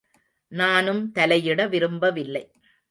நானும் தலையிட விரும்பவில்லை.